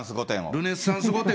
ルネッサンス御殿